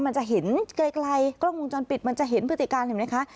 มันจะเห็นไกลกล้องวงจรปิดมันจะเห็นพฤติการเห็นไหมคะ